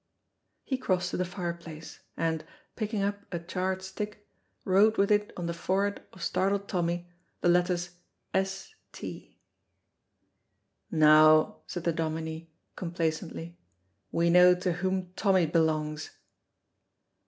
He crossed to the fireplace, and, picking up a charred stick, wrote with it on the forehead of startled Tommy the letters "S.T." "Now," said the Dominie complacently, "we know to whom Tommy belongs."